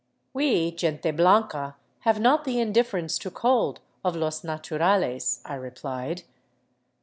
" We gente blanca have not the indifference to cold of los naturales," I replied.